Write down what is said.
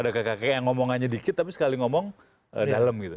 ada kakek kakek yang ngomong hanya dikit tapi sekali ngomong dalam gitu